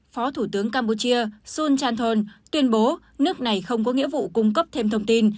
phó thủ tướng campuchia sun chanthol tuyên bố nước này không có nghĩa vụ cung cấp thêm thông tin